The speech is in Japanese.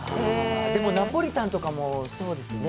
でもナポリタンとかもそうですよね。